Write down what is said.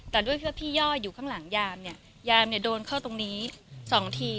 แต่ด้วยแค่พี่ย่ออยู่ข้างหลังยามเนี่ยยามเนี่ยโดนเข้าตรงนี้สองที